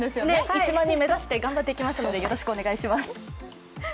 １万人目指して頑張っていきますのでよろしくお願いします。